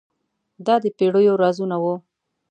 دا د پیړیو رازونه وو.